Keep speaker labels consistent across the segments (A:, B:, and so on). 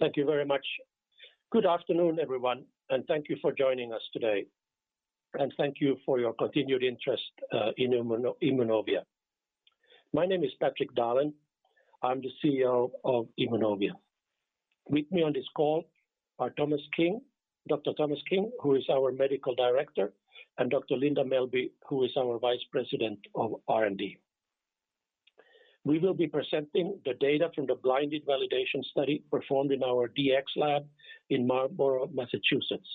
A: Thank you very much. Good afternoon, everyone, thank you for joining us today. Thank you for your continued interest in Immunovia. My name is Patrik Dahlen. I'm the CEO of Immunovia. With me on this call are Dr. Thomas King, who is our Medical Director, and Dr. Linda Mellby, who is our Vice President of R&D. We will be presenting the data from the blinded validation study performed in our DX lab in Marlborough, Massachusetts,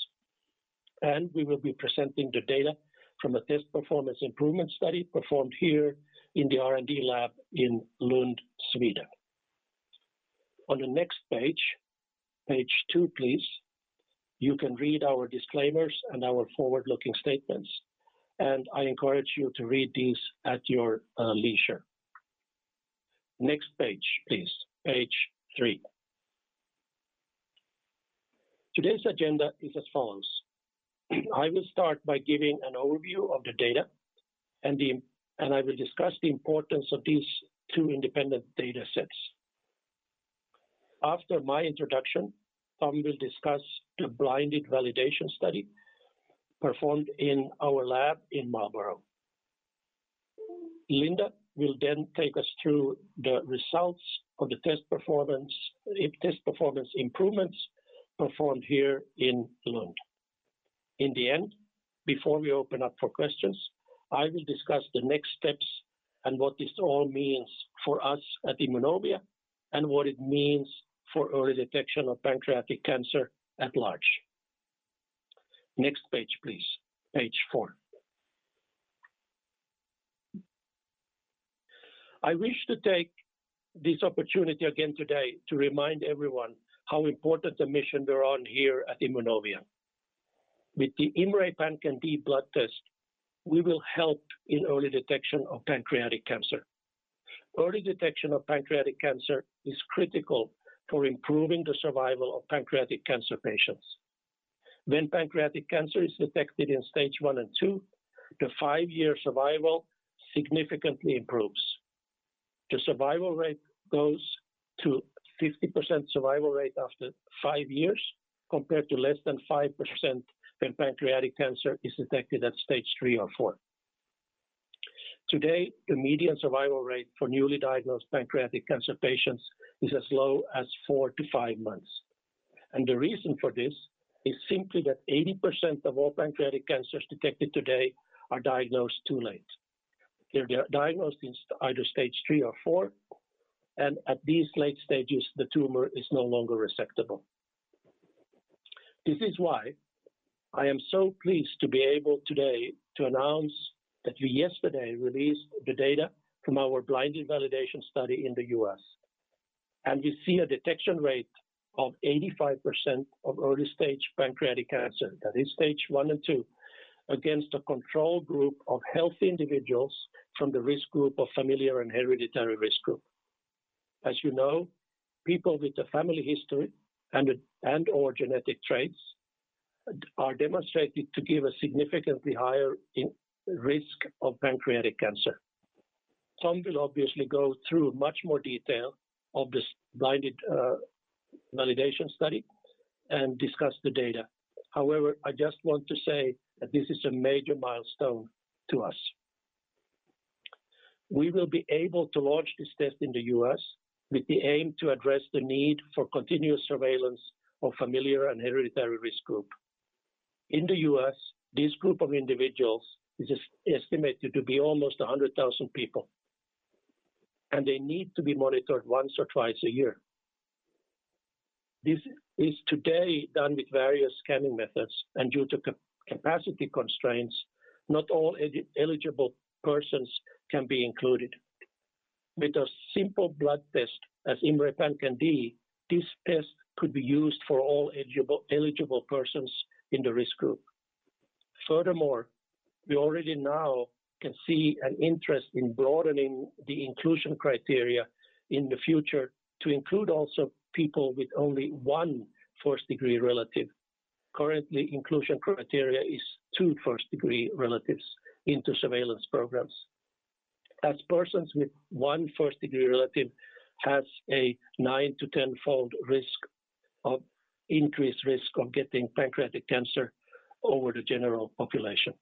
A: and we will be presenting the data from a test performance improvement study performed here in the R&D lab in Lund, Sweden. On the next page two please, you can read our disclaimers and our forward-looking statements, and I encourage you to read these at your leisure. Next page, please. Page three. Today's agenda is as follows. I will start by giving an overview of the data. I will discuss the importance of these two independent data sets. After my introduction, Tom will discuss the blinded validation study performed in our lab in Marlborough. Linda will then take us through the results of the test performance improvements performed here in Lund. In the end, before we open up for questions, I will discuss the next steps and what this all means for us at Immunovia. What it means for early detection of pancreatic cancer at large. Next page, please. Page four. I wish to take this opportunity again today to remind everyone how important the mission we're on here at Immunovia. With the IMMray PanCan-d blood test, we will help in early detection of pancreatic cancer. Early detection of pancreatic cancer is critical for improving the survival of pancreatic cancer patients. When pancreatic cancer is detected in stage 1 and 2, the five-year survival significantly improves. The survival rate goes to 50% survival rate after five years, compared to less than 5% when pancreatic cancer is detected at stage 3 or 4. Today, the median survival rate for newly diagnosed pancreatic cancer patients is as low as four to five months. The reason for this is simply that 80% of all pancreatic cancers detected today are diagnosed too late. They're diagnosed in either stage 3 or 4, and at these late stages, the tumor is no longer resectable. This is why I am so pleased to be able today to announce that we yesterday released the data from our blinded validation study in the U.S., and we see a detection rate of 85% of early-stage pancreatic cancer. That is stage 1 and 2, against a control group of healthy individuals from the familial and hereditary risk group. As you know, people with a family history and/or genetic traits are demonstrated to give a significantly higher risk of pancreatic cancer. Tom will obviously go through much more detail of this blinded validation study and discuss the data. However, I just want to say that this is a major milestone to us. We will be able to launch this test in the U.S. with the aim to address the need for continuous surveillance of familial and hereditary risk group. In the U.S., this group of individuals is estimated to be almost 100,000 people, and they need to be monitored once or twice a year. This is today done with various scanning methods, and due to capacity constraints, not all eligible persons can be included. With a simple blood test as IMMray PanCan-d, this test could be used for all eligible persons in the risk group. We already now can see an interest in broadening the inclusion criteria in the future to include also people with only one first-degree relative. Currently, inclusion criteria is two first-degree relatives into surveillance programs. Persons with one first-degree relative has a 9- to 10-fold increased risk of getting pancreatic cancer over the general population.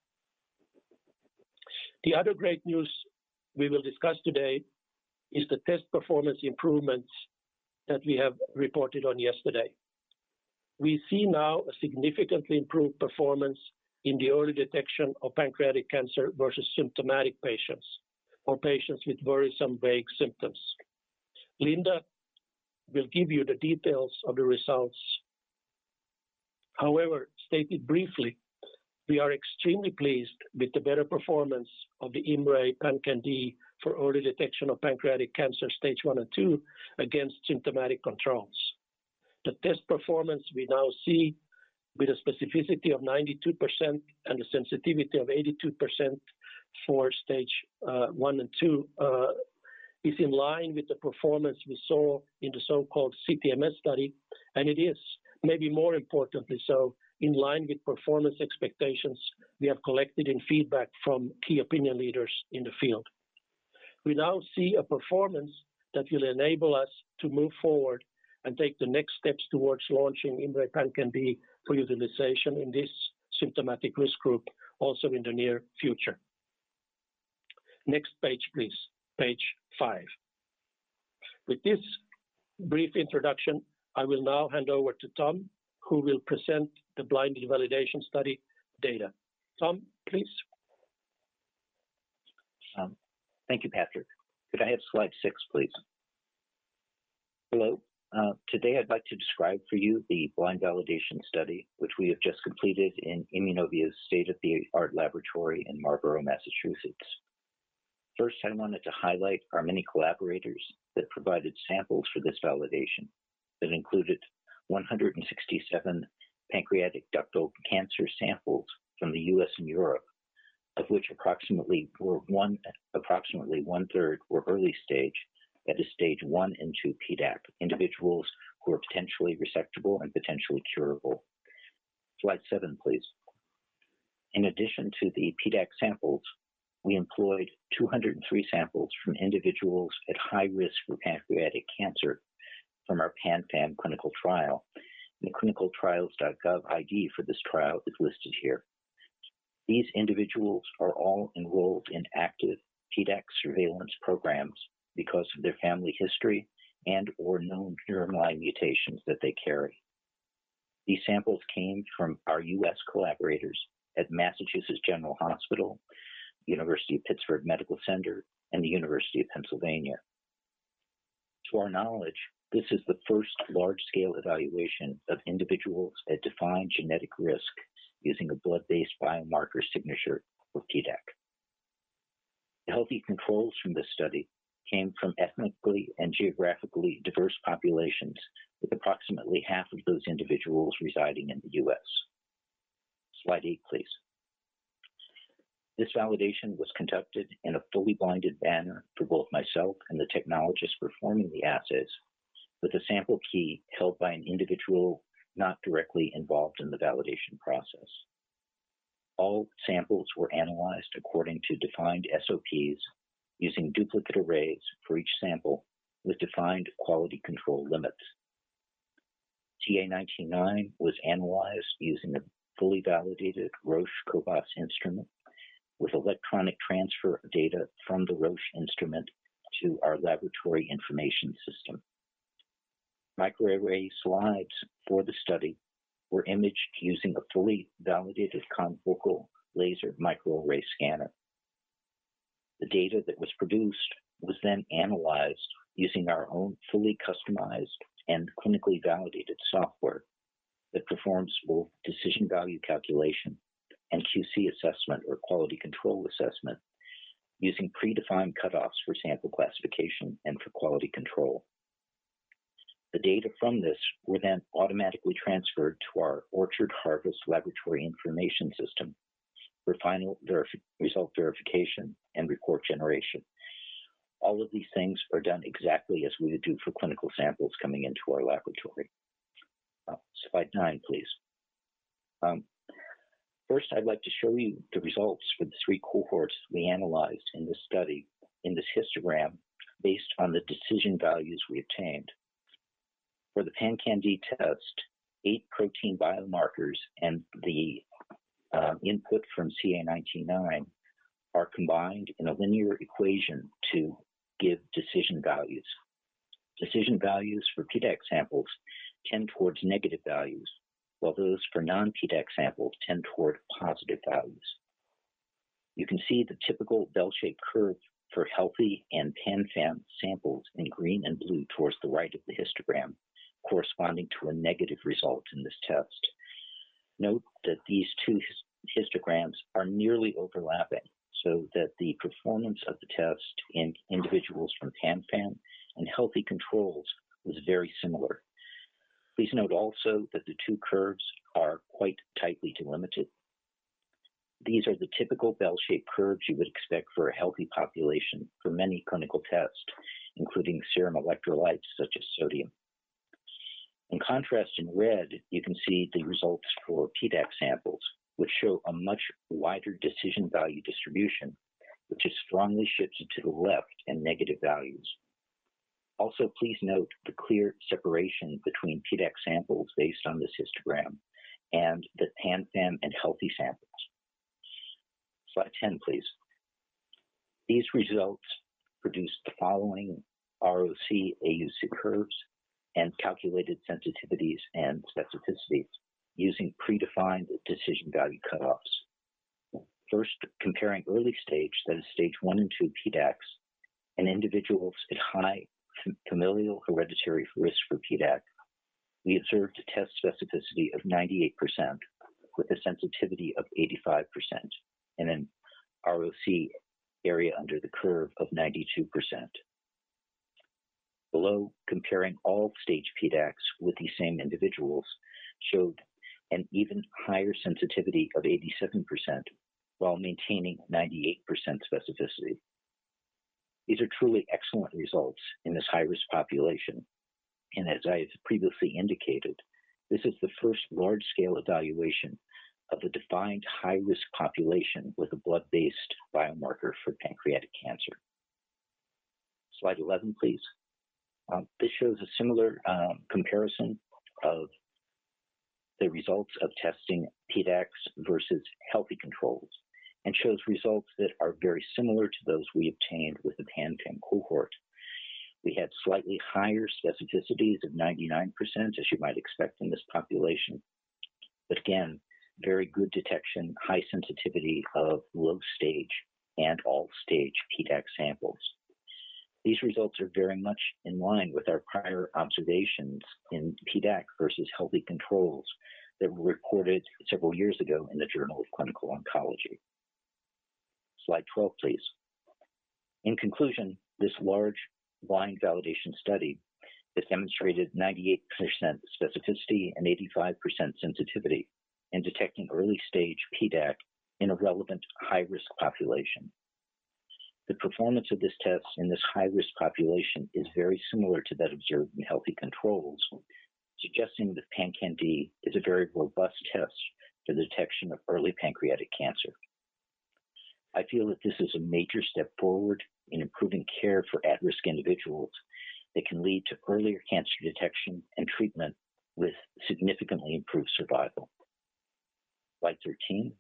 A: The other great news we will discuss today is the test performance improvements that we have reported on yesterday. We see now a significantly improved performance in the early detection of pancreatic cancer versus symptomatic patients or patients with worrisome vague symptoms. Linda will give you the details of the results. Stated briefly, we are extremely pleased with the better performance of the IMMray PanCan-d for early detection of pancreatic cancer stage 1 and 2 against symptomatic controls. The test performance we now see with a specificity of 92% and a sensitivity of 82% for stage 1 and 2, is in line with the performance we saw in the so-called CTMS study, and it is maybe more importantly so, in line with performance expectations we have collected in feedback from key opinion leaders in the field. We now see a performance that will enable us to move forward and take the next steps towards launching IMMray PanCan-d for utilization in this symptomatic risk group, also in the near future. Next page, please. Page five. With this brief introduction, I will now hand over to Tom, who will present the blinded validation study data. Tom, please.
B: Thank you, Patrik. Could I have slide six, please? Hello. Today I'd like to describe for you the blind validation study, which we have just completed in Immunovia's state-of-the-art laboratory in Marlborough, Massachusetts. First, I wanted to highlight our many collaborators that provided samples for this validation, that included 167 pancreatic ductal cancer samples from the U.S. and Europe, of which approximately one-third were early-stage, that is stage 1 and 2 PDAC, individuals who are potentially resectable and potentially curable. Slide seven, please. In addition to the PDAC samples, we employed 203 samples from individuals at high risk for pancreatic cancer from our PanFAM clinical trial. The clinicaltrials.gov ID for this trial is listed here. These individuals are all enrolled in active PDAC surveillance programs because of their family history and/or known germline mutations that they carry. These samples came from our U.S. collaborators at Massachusetts General Hospital, University of Pittsburgh Medical Center, and the University of Pennsylvania. To our knowledge, this is the first large-scale evaluation of individuals at defined genetic risk using a blood-based biomarker signature for PDAC. The healthy controls from this study came from ethnically and geographically diverse populations, with approximately half of those individuals residing in the U.S. Slide eight, please. This validation was conducted in a fully blinded manner for both myself and the technologists performing the assays, with a sample key held by an individual not directly involved in the validation process. All samples were analyzed according to defined SOPs using duplicate arrays for each sample with defined quality control limits. CA19-9 was analyzed using a fully validated Roche cobas instrument with electronic transfer of data from the Roche instrument to our laboratory information system. Microarray slides for the study were imaged using a fully validated confocal laser microarray scanner. The data that was produced was analyzed using our own fully customized and clinically validated software that performs both decision value calculation and QC assessment or quality control assessment using predefined cutoffs for sample classification and for quality control. The data from this were automatically transferred to our Orchard Harvest laboratory information system for final result verification and report generation. All of these things are done exactly as we would do for clinical samples coming into our laboratory. Slide nine, please. First, I'd like to show you the results for the three cohorts we analyzed in this study in this histogram, based on the decision values we obtained. For the PanCan-d test, eight protein biomarkers and the input from CA19-9 are combined in a linear equation to give decision values. Decision values for PDAC samples tend towards negative values, while those for non-PDAC samples tend toward positive values. You can see the typical bell-shaped curve for healthy and PanFAM samples in green and blue towards the right of the histogram, corresponding to a negative result in this test. Note that these two histograms are nearly overlapping, so that the performance of the test in individuals from PanFAM and healthy controls was very similar. Please note also that the two curves are quite tightly delimited. These are the typical bell-shaped curves you would expect for a healthy population for many clinical tests, including serum electrolytes such as sodium. In contrast, in red, you can see the results for PDAC samples, which show a much wider decision value distribution, which is strongly shifted to the left in negative values. Also, please note the clear separation between PDAC samples based on this histogram and the PanFAM and healthy samples. Slide 10, please. These results produced the following ROC AUC curves and calculated sensitivities and specificities using predefined decision value cutoffs. First, comparing early stage, that is stage 1 and 2 PDACs, in individuals at high familial hereditary risk for PDAC, we observed a test specificity of 98% with a sensitivity of 85% and an ROC area under the curve of 92%. Below, comparing all stage PDACs with these same individuals showed an even higher sensitivity of 87% while maintaining 98% specificity. These are truly excellent results in this high-risk population. As I previously indicated, this is the first large-scale evaluation of a defined high-risk population with a blood-based biomarker for pancreatic cancer. Slide 11, please. This shows a similar comparison of the results of testing PDACs versus healthy controls and shows results that are very similar to those we obtained with the PanCan cohort. We had slightly higher specificities of 99%, as you might expect in this population. Again, very good detection, high sensitivity of low stage and all stage PDAC samples. These results are very much in line with our prior observations in PDAC versus healthy controls that were recorded several years ago in the Journal of Clinical Oncology. Slide 12, please. In conclusion, this large blind validation study has demonstrated 98% specificity and 85% sensitivity in detecting early-stage PDAC in a relevant high-risk population. The performance of this test in this high-risk population is very similar to that observed in healthy controls, suggesting that PanCan-d is a very robust test for the detection of early pancreatic cancer. I feel that this is a major step forward in improving care for at-risk individuals that can lead to earlier cancer detection and treatment with significantly improved survival. Slide 13.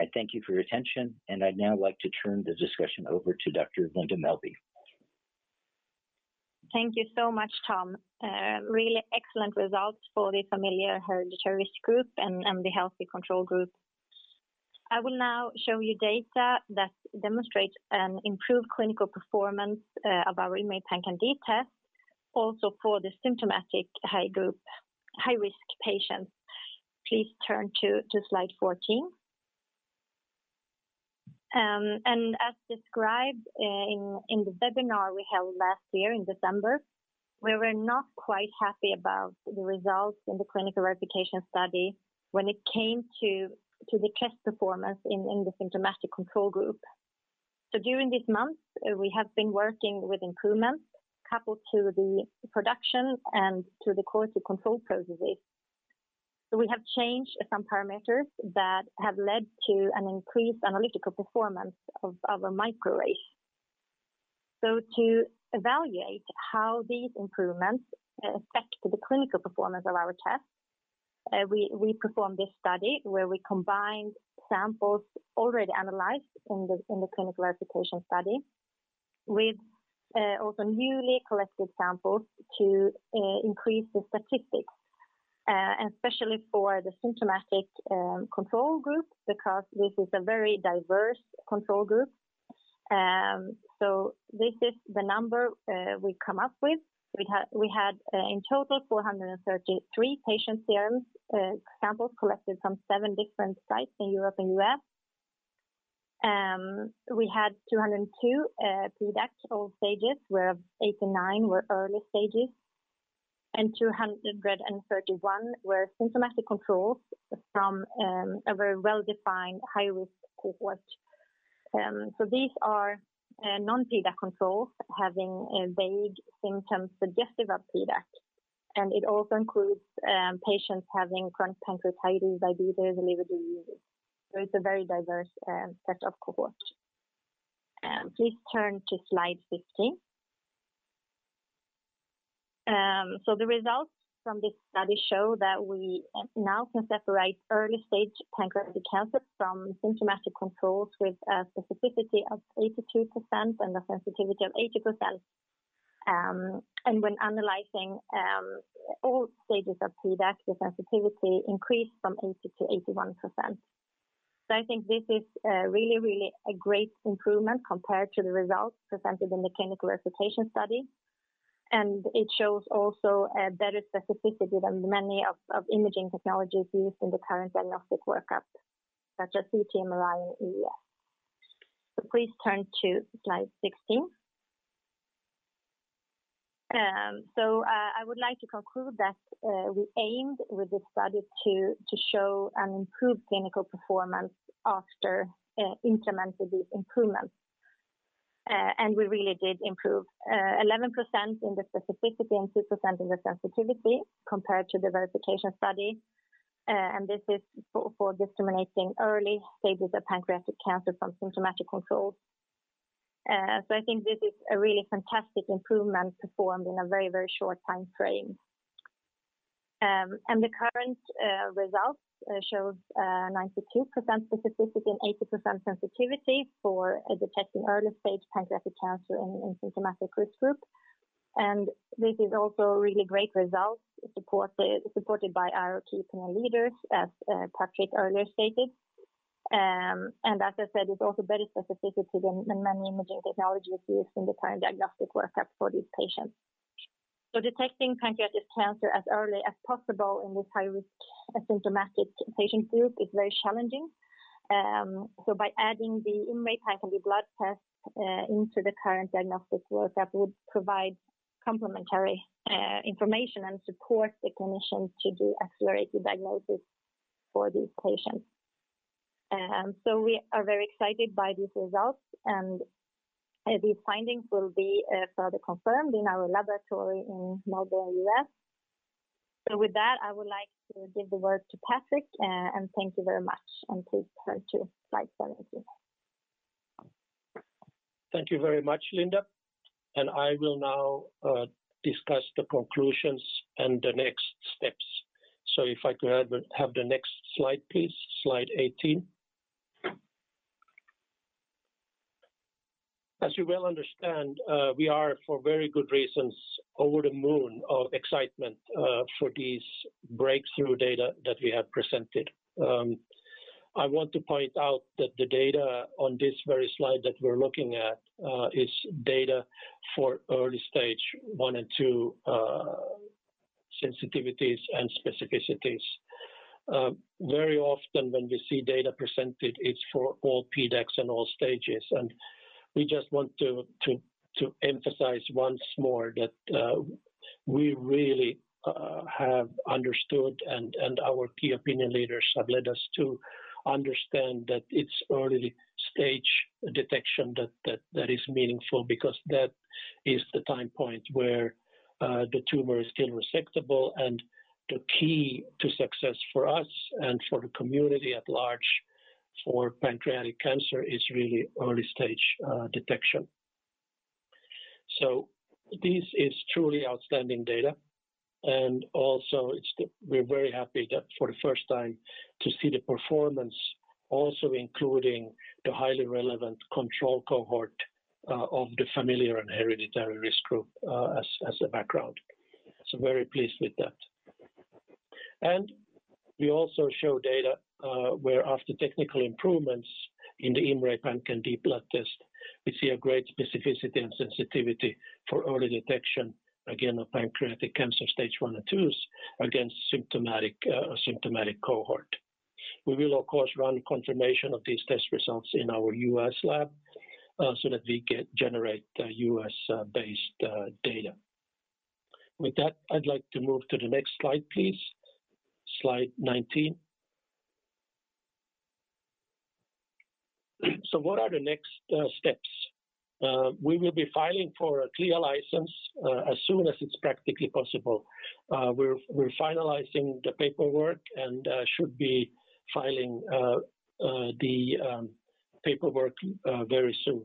B: I thank you for your attention, I'd now like to turn the discussion over to Dr. Linda Mellby.
C: Thank you so much, Tom. Really excellent results for the familial hereditary group and the healthy control group. I will now show you data that demonstrates an improved clinical performance of our IMMray PanCan-d test, also for the symptomatic high-risk patients. Please turn to slide 14. As described in the webinar we held last year in December, we were not quite happy about the results in the clinical verification study when it came to the test performance in the symptomatic control group. During these months, we have been working with improvements coupled to the production and to the quality control processes. We have changed some parameters that have led to an increased analytical performance of our Microarray. To evaluate how these improvements affect the clinical performance of our test, we performed this study where we combined samples already analyzed in the clinical verification study with also newly collected samples to increase the statistics, especially for the symptomatic control group, because this is a very diverse control group. This is the number we come up with. We had in total 433 patient serum samples collected from seven different sites in Europe and U.S. We had 202 PDAC, all stages, where 89 were early stages, and 231 were symptomatic controls from a very well-defined high-risk cohort. These are non-PDAC controls having vague symptoms suggestive of PDAC, and it also includes patients having chronic pancreatitis, diabetes, and liver diseases. It's a very diverse set of cohort. Please turn to slide 15. The results from this study show that we now can separate early-stage pancreatic cancer from symptomatic controls with a specificity of 82% and a sensitivity of 80%. When analyzing all stages of PDAC, the sensitivity increased from 80%-81%. I think this is really a great improvement compared to the results presented in the clinical verification study, and it shows also a better specificity than many of imaging technologies used in the current diagnostic work-up, such as CT, MRI, and EUS. Please turn to slide 16. I would like to conclude that we aimed with this study to show an improved clinical performance after implementing these improvements. We really did improve 11% in the specificity and 2% in the sensitivity compared to the verification study. This is for discriminating early stages of pancreatic cancer from symptomatic controls. I think this is a really fantastic improvement performed in a very short time frame. The current results shows 92% specificity and 80% sensitivity for detecting early-stage pancreatic cancer in a symptomatic risk group. This is also a really great result supported by our key opinion leaders, as Patrik earlier stated. As I said, it's also better specificity than many imaging technologies used in the current diagnostic work-up for these patients. Detecting pancreatic cancer as early as possible in this high-risk symptomatic patient group is very challenging. By adding the IMMray PanCan-d blood test into the current diagnostic work-up would provide complementary information and support the clinician to do a curated diagnosis for these patients. We are very excited by these results, and these findings will be further confirmed in our laboratory in Marlborough, U.S. With that, I would like to give the word to Patrik. Thank you very much, and please turn to slide 17.
A: Thank you very much, Linda. I will now discuss the conclusions and the next steps. If I could have the next slide, please, slide 18. As you well understand, we are for very good reasons, over the moon of excitement for these breakthrough data that we have presented. I want to point out that the data on this very slide that we're looking at is data for early stage 1 and 2 sensitivities and specificities. Very often when we see data presented, it's for all PDACs and all stages. We just want to emphasize once more that we really have understood, and our key opinion leaders have led us to understand that it's early stage detection that is meaningful because that is the time point where the tumor is still resectable. The key to success for us and for the community at large for pancreatic cancer is really early-stage detection. This is truly outstanding data, and also we're very happy that for the first time to see the performance also including the highly relevant control cohort of the familiar and hereditary risk group, as a background. Very pleased with that. We also show data where after technical improvements in the IMMray PanCan-d blood test, we see a great specificity and sensitivity for early detection, again of pancreatic cancer stage 1 and 2 against symptomatic cohort. We will, of course, run confirmation of these test results in our U.S. lab, so that we can generate U.S.-based data. With that, I'd like to move to the next slide, please. Slide 19. What are the next steps? We will be filing for a CLIA license, as soon as it's practically possible. We're finalizing the paperwork and should be filing the paperwork very soon.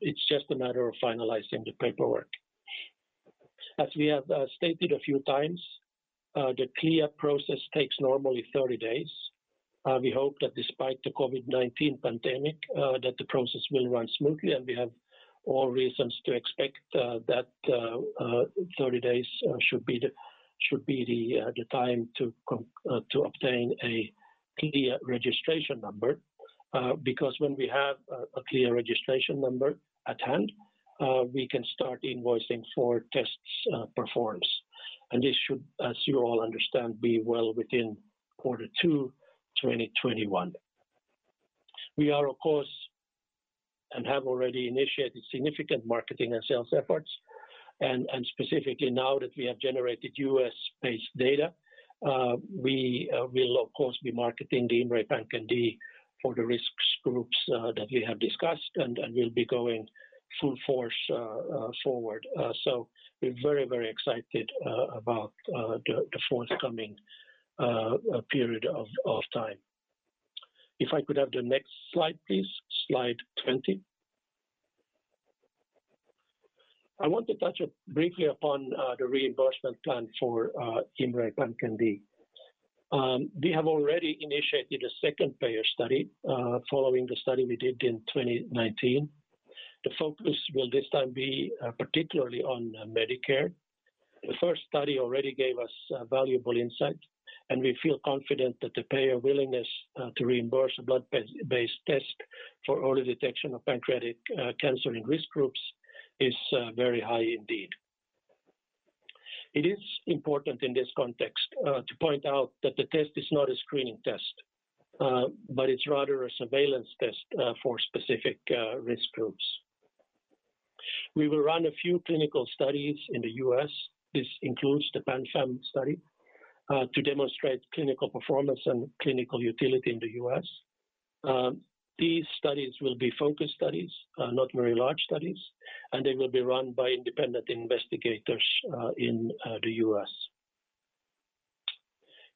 A: It's just a matter of finalizing the paperwork. As we have stated a few times, the CLIA process takes normally 30 days. We hope that despite the COVID-19 pandemic, that the process will run smoothly, and we have all reasons to expect that 30 days should be the time to obtain a CLIA registration number. When we have a CLIA registration number at hand, we can start invoicing for tests performed. This should, as you all understand, be well within Q2 2021. We are of course, and have already initiated significant marketing and sales efforts. Specifically now that we have generated US-based data, we will of course be marketing the IMMray PanCan-d for the risks groups that we have discussed and we'll be going full force forward. We're very excited about the forthcoming period of time. If I could have the next slide, please. Slide 20. I want to touch briefly upon the reimbursement plan for IMMray PanCan-d. We have already initiated a second payer study, following the study we did in 2019. The focus will this time be particularly on Medicare. The first study already gave us valuable insight, and we feel confident that the payer willingness to reimburse a blood-based test for early detection of pancreatic cancer in risk groups is very high indeed. It is important in this context to point out that the test is not a screening test, but it's rather a surveillance test for specific risk groups. We will run a few clinical studies in the U.S. This includes the PanFAM-1 study, to demonstrate clinical performance and clinical utility in the U.S. These studies will be focus studies, not very large studies, and they will be run by independent investigators in the U.S.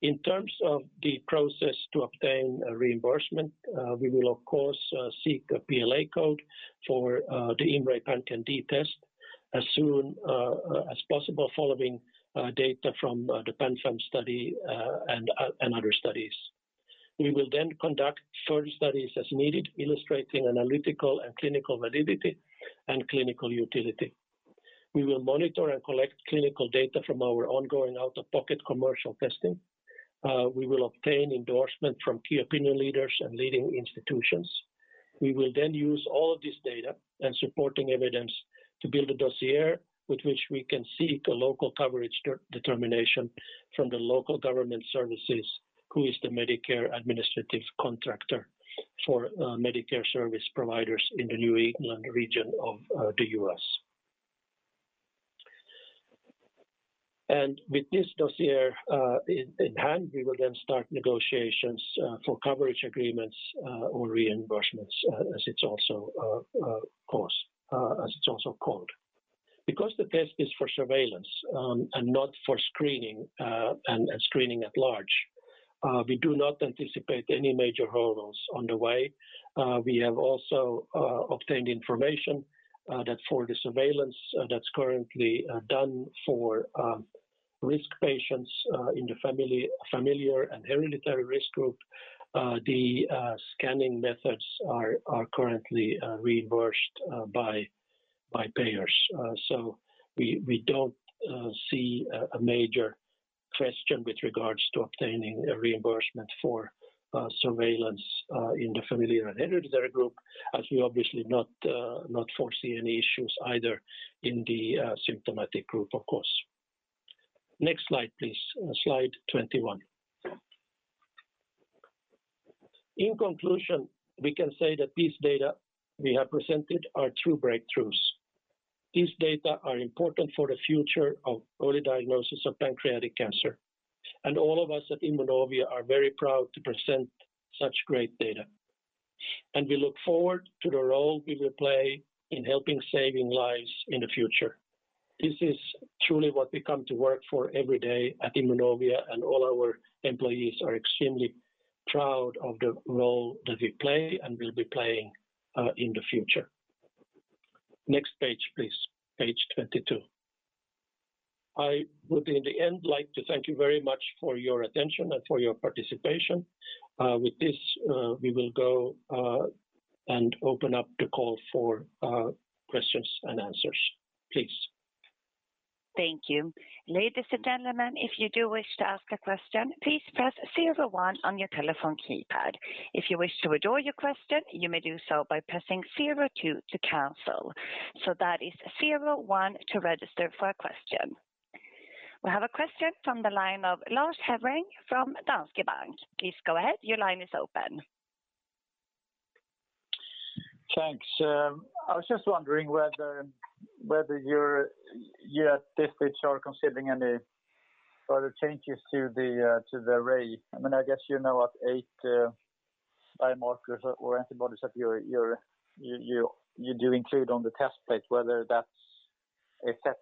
A: In terms of the process to obtain reimbursement, we will of course seek a PLA code for the IMMray PanCan-d test as soon as possible following data from the PanFAM-1 study and other studies. We will conduct further studies as needed, illustrating analytical and clinical validity and clinical utility. We will monitor and collect clinical data from our ongoing out-of-pocket commercial testing. We will obtain endorsement from key opinion leaders and leading institutions. We will then use all of this data and supporting evidence to build a dossier with which we can seek a local coverage determination from National Government Services, who is the Medicare administrative contractor for Medicare service providers in the New England region of the U.S. With this dossier in hand, we will then start negotiations for coverage agreements or reimbursements, as it's also called. Because the test is for surveillance and not for screening at large, we do not anticipate any major hurdles on the way. We have also obtained information that for the surveillance that's currently done for risk patients in the familiar and hereditary risk group, the scanning methods are currently reimbursed by payers. We don't see a major question with regards to obtaining a reimbursement for surveillance in the familiar and hereditary group, as we obviously not foresee any issues either in the symptomatic group, of course. Next slide, please. Slide 21. In conclusion, we can say that these data we have presented are true breakthroughs. These data are important for the future of early diagnosis of pancreatic cancer, all of us at Immunovia are very proud to present such great data. We look forward to the role we will play in helping saving lives in the future. This is truly what we come to work for every day at Immunovia, all our employees are extremely proud of the role that we play and will be playing in the future. Next page, please. Page 22. I would, in the end, like to thank you very much for your attention and for your participation. With this, we will go and open up the call for questions and answers. Please.
D: Thank you. Ladies and gentlemen, if you do wish to ask a question, please press zero one on your telephone keypad. If you wish to withdraw your question, you may do so by pressing zero two to cancel. That is zero one to register for a question. We have a question from the line of Lars Hevreng from Danske Bank. Please go ahead. Your line is open.
E: Thanks. I was just wondering whether you at this stage are considering any further changes to the array. I guess you know what eight biomarkers or antibodies that you do include on the test plate, whether that's a set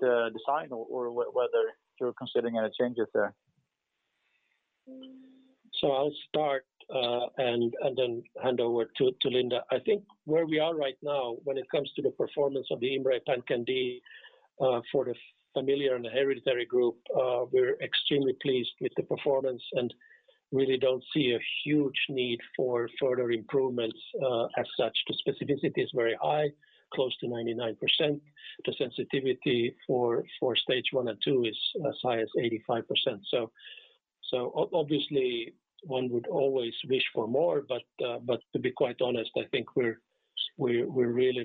E: design or whether you're considering any changes there.
A: I'll start and then hand over to Linda. I think where we are right now when it comes to the performance of the IMMray PanCan-d for the familiar and the hereditary group, we're extremely pleased with the performance and really don't see a huge need for further improvements as such. The specificity is very high, close to 99%. The sensitivity for stage 1 and 2 is as high as 85%. Obviously one would always wish for more, but to be quite honest, I think we're really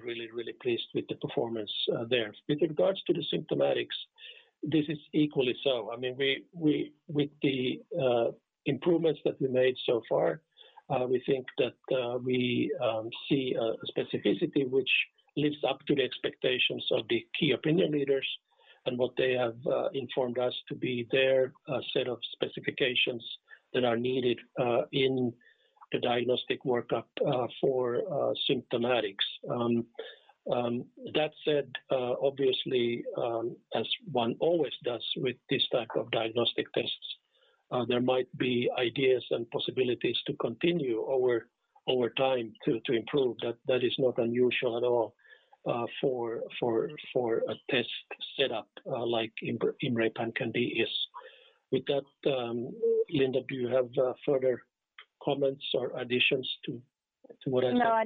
A: pleased with the performance there. With regards to the symptomatics, this is equally so. With the improvements that we made so far, we think that we see a specificity which lives up to the expectations of the key opinion leaders and what they have informed us to be their set of specifications that are needed in the diagnostic workup for symptomatics. That said, obviously, as one always does with this type of diagnostic tests, there might be ideas and possibilities to continue over time to improve. That is not unusual at all for a test set up like IMMray PanCan-d is. With that, Linda, do you have further comments or additions to what I said?
C: No, I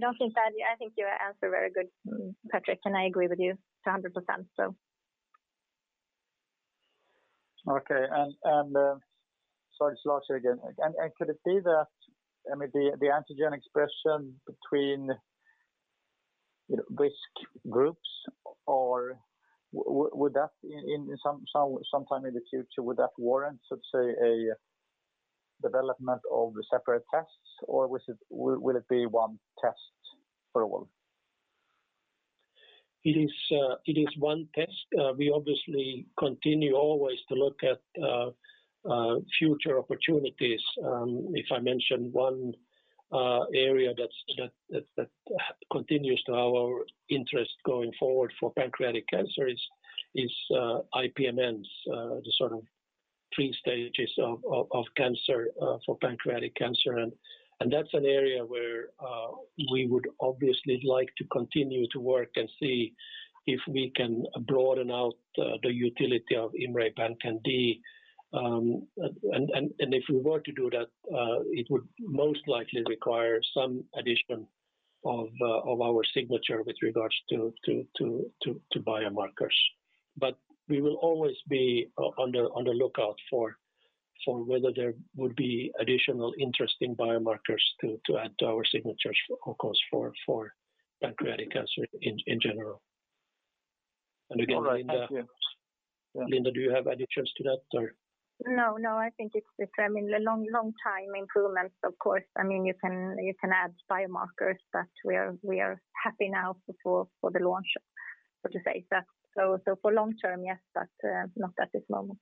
C: think you answered very good, Patrik. I agree with you to 100%.
E: Okay. Sorry, it's Lars here again. Could it be that the antigen expression between risk groups, or sometime in the future, would that warrant, let's say, a development of the separate tests, or will it be one test for all?
A: It is one test. We obviously continue always to look at future opportunities. If I mention one area that continues to have our interest going forward for pancreatic cancer is IPMNs, the sort of pre-stages of cancer for pancreatic cancer. That's an area where we would obviously like to continue to work and see if we can broaden out the utility of IMMray PanCan-d. If we were to do that, it would most likely require some addition of our signature with regards to biomarkers. We will always be on the lookout for whether there would be additional interesting biomarkers to add to our signatures, of course, for pancreatic cancer in general. Again, Linda. Linda, do you have additions to that?
C: No, I think it's this. Long time improvements, of course, you can add biomarkers, but we are happy now for the launch, so to say. For long term, yes, but not at this moment.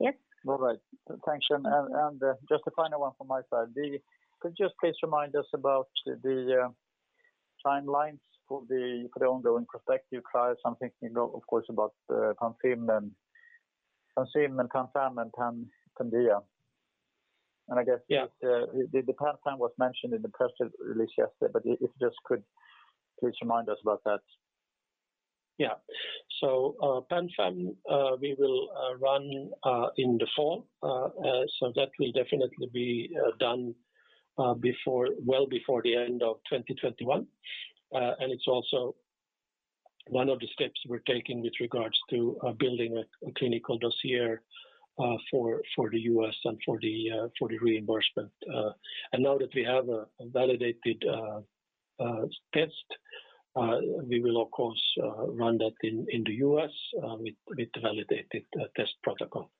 C: Yes.
E: All right. Thanks. Just a final one from my side. Could you just please remind us about the timelines for the ongoing prospective trials? I'm thinking, of course, about PanSYMP and PanFAM-1 and PanCan-d.
A: Yeah
E: The PanFAM was mentioned in the press release yesterday, but if you just could please remind us about that.
A: Yeah. PanFAM, we will run in the fall. That will definitely be done well before the end of 2021. It's also one of the steps we're taking with regards to building a clinical dossier for the U.S. and for the reimbursement. Now that we have a validated test, we will of course run that in the U.S. with the validated test protocol.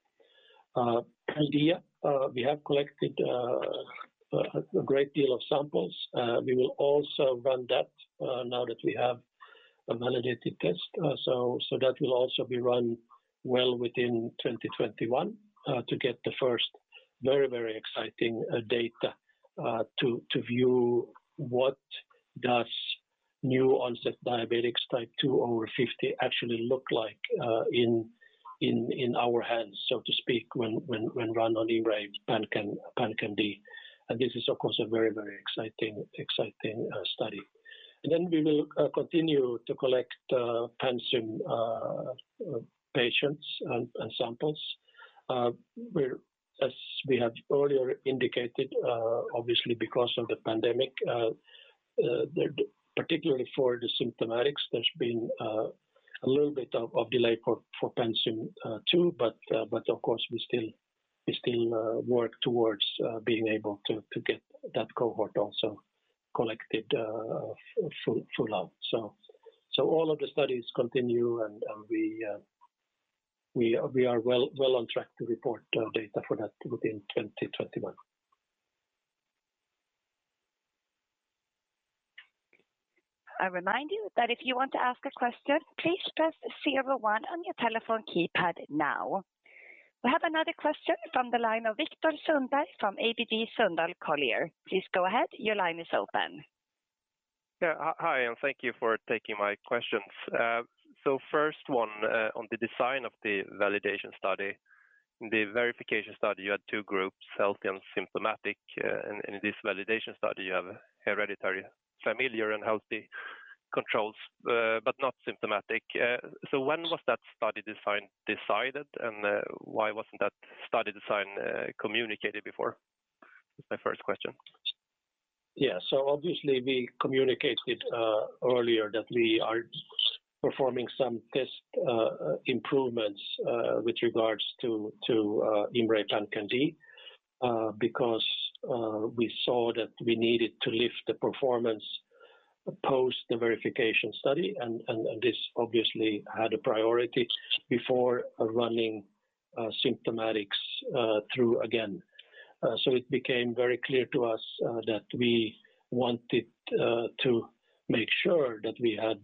A: PanCan-d, we have collected a great deal of samples. We will also run that now that we have a validated test. That will also be run well within 2021 to get the first very exciting data to view what does new onset diabetics type 2 over 50 actually look like in our hands, so to speak, when run on IMMray PanCan-d. This is of course a very exciting study. We will continue to collect PANSEAM patients and samples. As we have earlier indicated obviously because of the pandemic, particularly for the symptomatics, there's been a little bit of delay for PanSYMP, too but of course we still work towards being able to get that cohort also collected full out. All of the studies continue, and we are well on track to report data for that within 2021.
D: I remind you that if you want to ask a question, please press zero one on your telephone keypad now. We have another question from the line of Viktor Sundberg from ABG Sundal Collier. Please go ahead. Your line is open.
F: Hi, and thank you for taking my questions. First one on the design of the validation study. In the verification study, you had two groups, healthy and symptomatic. In this validation study, you have hereditary familiar and healthy controls, but not symptomatic. When was that study design decided, and why wasn't that study design communicated before? That's my first question.
A: Yeah. Obviously we communicated earlier that we are performing some test improvements with regards to IMMray PanCan-d because we saw that we needed to lift the performance post the verification study, and this obviously had a priority before running symptomatics through again. It became very CLIA to us that we wanted to make sure that we had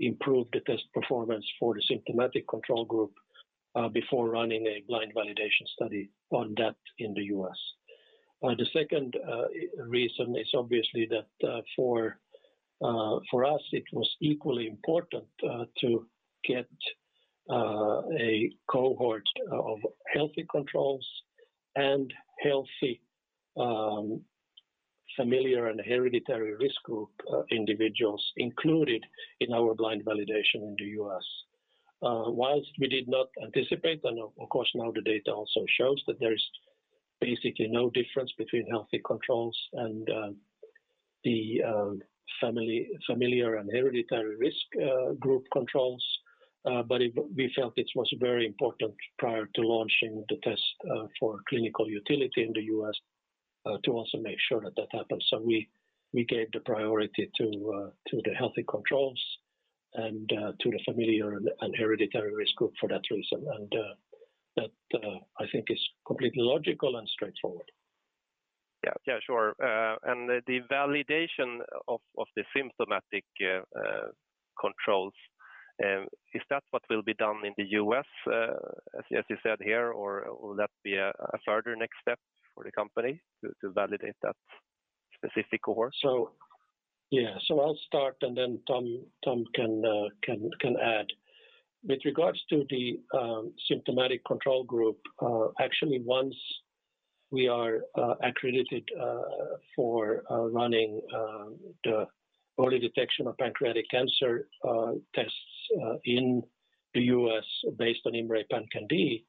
A: improved the test performance for the symptomatic control group before running a blind validation study on that in the U.S. The second reason is obviously that for us, it was equally important to get a cohort of healthy controls and healthy familiar and hereditary risk group individuals included in our blind validation in the U.S. Whilst we did not anticipate, and of course now the data also shows that there is basically no difference between healthy controls and the familiar and hereditary risk group controls. We felt it was very important prior to launching the test for clinical utility in the U.S. to also make sure that happens. We gave the priority to the healthy controls and to the familiar and hereditary risk group for that reason. That I think is completely logical and straightforward.
F: Yeah. Sure. The validation of the symptomatic controls, is that what will be done in the U.S. as you said here, or will that be a further next step for the company to validate that specific cohort?
A: Yeah. I'll start and then Tom can add. With regards to the symptomatic control group, actually once we are accredited for running the early detection of pancreatic cancer tests in the U.S. based on IMMray PanCan-d,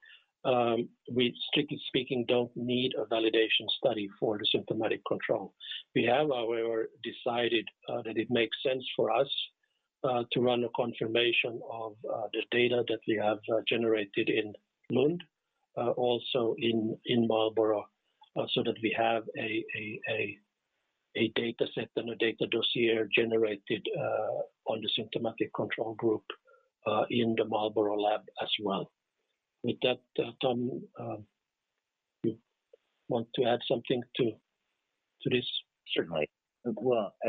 A: we strictly speaking don't need a validation study for the symptomatic control. We have, however, decided that it makes sense for us to run a confirmation of the data that we have generated in Lund, also in Marlborough, so that we have a data set and a data dossier generated on the symptomatic control group in the Marlborough lab as well. With that, Tom, do you want to add something to this?
B: Certainly.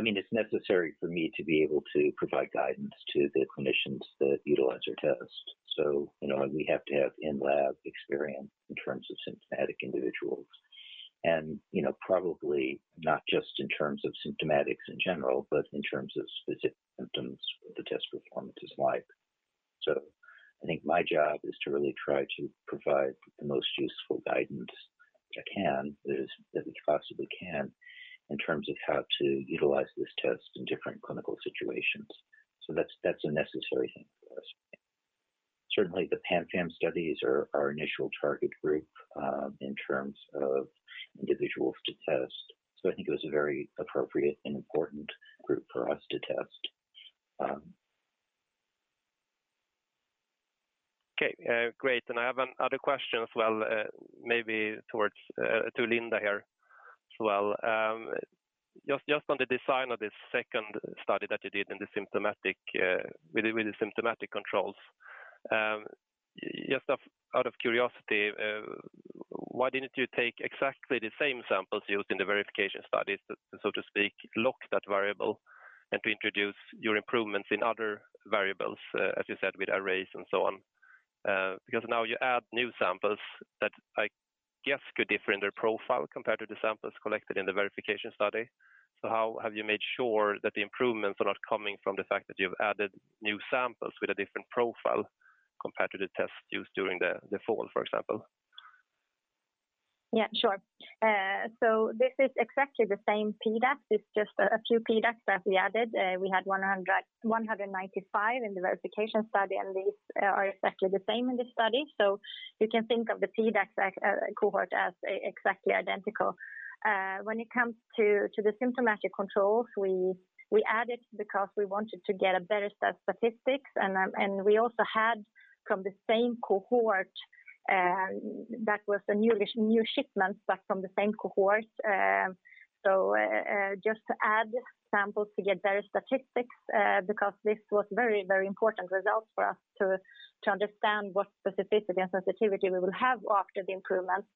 B: It's necessary for me to be able to provide guidance to the clinicians that utilize our test. We have to have in-lab experience in terms of symptomatic individuals, and probably not just in terms of symptomatics in general, but in terms of specific symptoms, what the test performance is like. I think my job is to really try to provide the most useful guidance I can, that we possibly can, in terms of how to utilize this test in different clinical situations. That's a necessary thing for us. Certainly, the PanFAM-1 studies are our initial target group, in terms of individuals to test. I think it was a very appropriate and important group for us to test.
F: Okay, great. I have other questions, maybe to Linda here as well. Just on the design of this second study that you did with the symptomatic controls. Just out of curiosity, why didn't you take exactly the same samples used in the verification studies, so to speak, lock that variable, and to introduce your improvements in other variables, as you said, with arrays and so on? Now you add new samples that I guess could differ in their profile compared to the samples collected in the verification study. How have you made sure that the improvements are not coming from the fact that you've added new samples with a different profile compared to the tests used during the fall, for example?
C: Yeah, sure. This is exactly the same PDAC. It's just a few PDACs that we added. We had 195 in the verification study, and these are exactly the same in this study. You can think of the PDAC cohort as exactly identical. When it comes to the symptomatic controls, we added because we wanted to get better statistics and we also had from the same cohort, that was the new shipments, but from the same cohort. Just to add samples to get better statistics, because this was very important results for us to understand what specificity and sensitivity we will have after the improvements.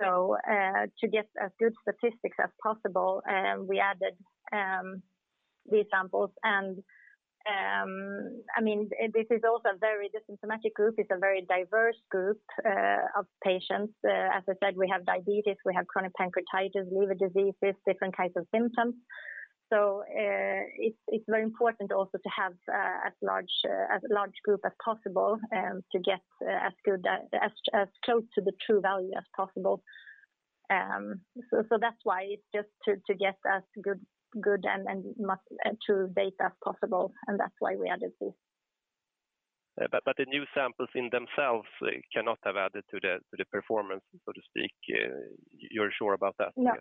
C: To get as good statistics as possible, we added these samples and the symptomatic group is a very diverse group of patients. As I said, we have diabetes, we have chronic pancreatitis, liver diseases, different kinds of symptoms. It's very important also to have as large group as possible to get as close to the true value as possible. That's why, just to get as good and true data as possible, and that's why we added this.
F: The new samples in themselves cannot have added to the performance, so to speak. You're sure about that?
C: No.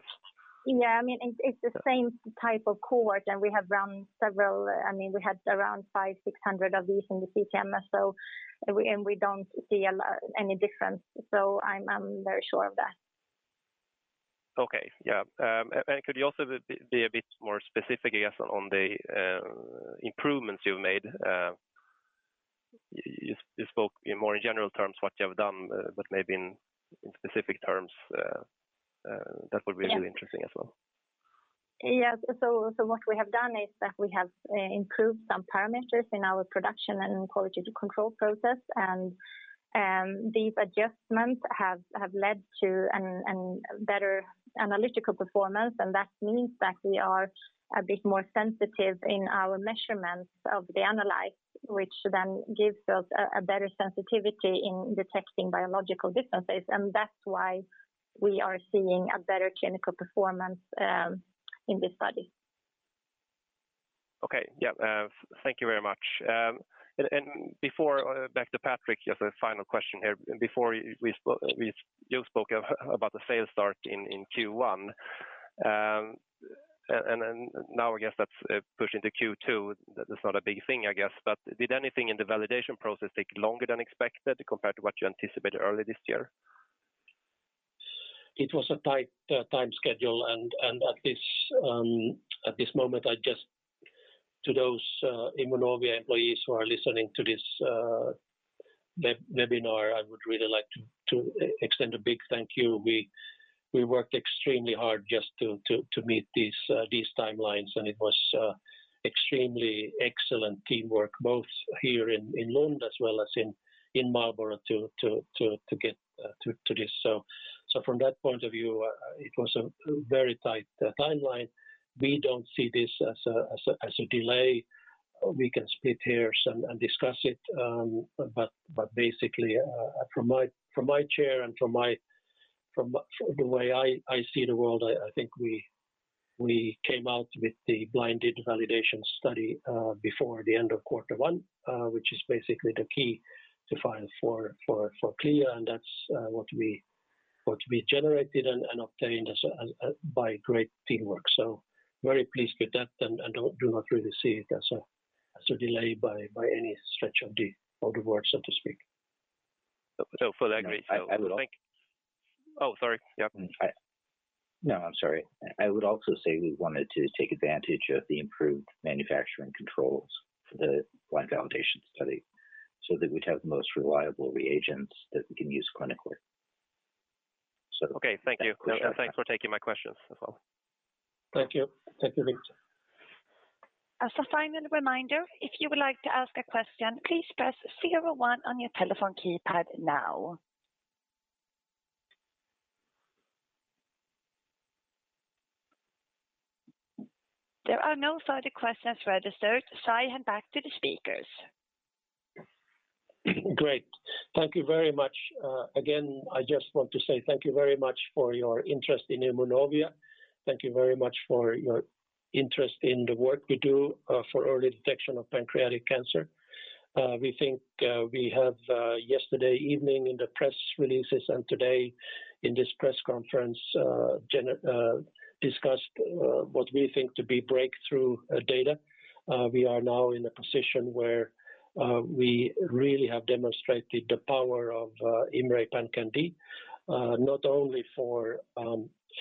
C: It's the same type of cohort, and we have run several. We had around 500, 600 of these in the CTMS, and we don't see any difference. I'm very sure of that.
F: Okay. Yeah. Could you also be a bit more specific, I guess, on the improvements you've made? You spoke more in general terms, what you have done, but maybe in specific terms, that would be really interesting as well.
C: Yes. What we have done is that we have improved some parameters in our production and quality control process. These adjustments have led to a better analytical performance. That means that we are a bit more sensitive in our measurements of the analytes, which then gives us a better sensitivity in detecting biological differences. That's why we are seeing a better clinical performance in this study.
F: Okay. Yeah. Thank you very much. Back to Patrik, just a final question here. Before, you spoke about the sales start in Q1, and now, I guess that's pushed into Q2. That's not a big thing, I guess, but did anything in the validation process take longer than expected compared to what you anticipated early this year?
A: It was a tight time schedule, and at this moment, to those Immunovia employees who are listening to this webinar, I would really like to extend a big thank you. We worked extremely hard just to meet these timelines, and it was extremely excellent teamwork, both here in Lund as well as in Marlborough to get to this. From that point of view, it was a very tight timeline. We don't see this as a delay. We can split hairs and discuss it, but basically, from my chair and from the way I see the world, I think we came out with the blinded validation study before the end of quarter one, which is basically the key to file for CLIA, and that's what we generated and obtained by great teamwork. Very pleased with that and do not really see it as a delay by any stretch of the word, so to speak.
F: For that great.
B: I would also-
F: Oh, sorry. Yeah.
B: No, I'm sorry. I would also say we wanted to take advantage of the improved manufacturing controls for the blind validation study so that we'd have the most reliable reagents that we can use clinically.
F: Okay. Thank you.
B: Thank you.
F: Thanks for taking my questions as well.
A: Thank you. Thank you, Viktor.
D: There are no further questions registered. I hand back to the speakers.
A: Great. Thank you very much. Again, I just want to say thank you very much for your interest in Immunovia. Thank you very much for your interest in the work we do for early detection of pancreatic cancer. We think we have yesterday evening in the press releases and today in this press conference, discussed what we think to be breakthrough data. We are now in a position where we really have demonstrated the power of IMMray PanCan-d, not only for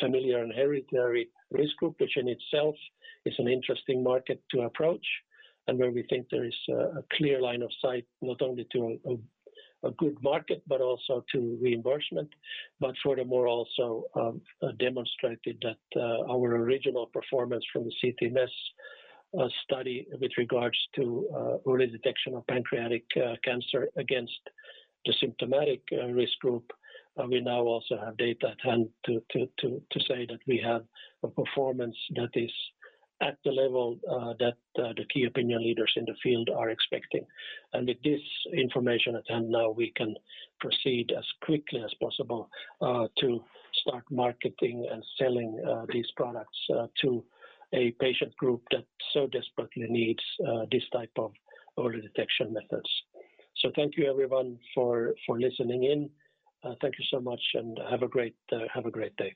A: familiar and hereditary risk group, which in itself is an interesting market to approach and where we think there is a CLIA line of sight not only to a good market but also to reimbursement. Furthermore, also demonstrated that our original performance from the CTMS study with regards to early detection of pancreatic cancer against the symptomatic risk group, we now also have data at hand to say that we have a performance that is at the level that the key opinion leaders in the field are expecting. With this information at hand now, we can proceed as quickly as possible to start marketing and selling these products to a patient group that so desperately needs this type of early detection methods. Thank you everyone for listening in. Thank you so much and have a great day. Thank you.